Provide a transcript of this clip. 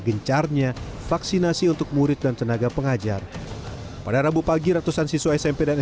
gencarnya vaksinasi untuk murid dan tenaga pengajar pada rabu pagi ratusan siswa smp dan